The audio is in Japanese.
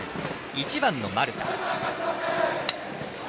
１番の丸田。